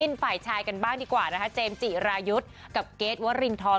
ฝ่ายชายกันบ้างดีกว่านะคะเจมส์จิรายุทธ์กับเกรทวรินทร